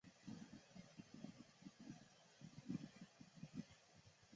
穆洛兹还是在电子竞技领域最有影响力和认可度的领导人之一。